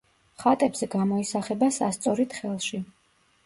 ხატებზე გამოისახება სასწორით ხელში.